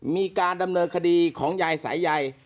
มีการดำเนินคดีของยายสายใย